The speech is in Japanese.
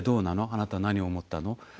あなたは何を思ったの？